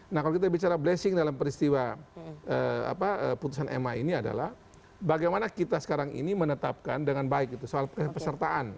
nah kalau kita bicara blessing dalam peristiwa putusan ma ini adalah bagaimana kita sekarang ini menetapkan dengan baik itu soal kepesertaan